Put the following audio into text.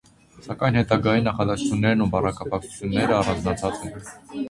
Սակայն հետագային նախադասութիւններն ու բառակապակցութիւնները առանձնացած են։